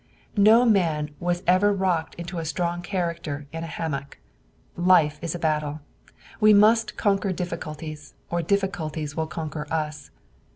No man was ever rocked into a strong character in a hammock. Life is a battle. We must conquer difficulties, or difficulties will conquer us.